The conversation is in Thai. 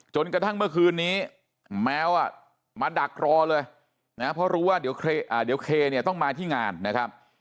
จนกระทั่งเมื่อคืนนี้แมวมาดักรอเลยนะเพราะรู้ว่าเดี๋ยวเคเนี่ยต้องมาที่งานนะครับ